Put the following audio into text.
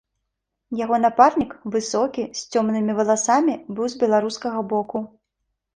Яго напарнік, высокі, з цёмнымі валасамі, быў з беларускага боку.